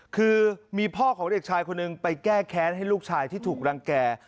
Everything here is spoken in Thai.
คือมีพ่อของเด็กชายคนหนึ่งไปแก้แค้นให้ลูกชายที่ถูกรังแก่